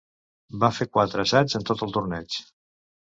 Va fer quatre assaigs en tot el torneig.